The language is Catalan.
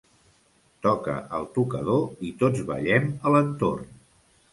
Toca el tocador i tots ballem a l'entorn.